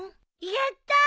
やったー！